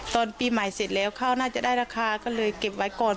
ตอนปีใหม่เสร็จแล้วข้าวน่าจะได้ราคาก็เลยเก็บไว้ก่อน